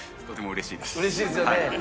嬉しいですよね。